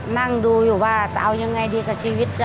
นั่งดูอยู่ว่าจะเอายังไงดีกับชีวิต